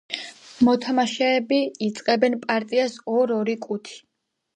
მოთამაშეები იწყებენ პარტიას ორ-ორი კუთი.